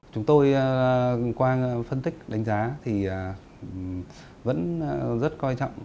chúng tôi qua phân tích đánh giá thì vẫn rất coi trọng